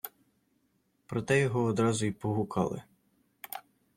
Проте його одразу й погукали.